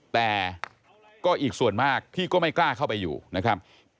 แต่ก็อีกส่วนมากที่ก็ไม่กล้าเข้าไปอยู่นะครับ